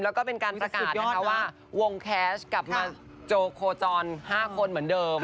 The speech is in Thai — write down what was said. แล้วก็เป็นการประกาศนะคะว่าวงแคสต์กลับมาโจโคจร๕คนเหมือนเดิม